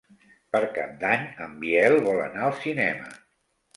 Per Cap d'Any en Biel vol anar al cinema.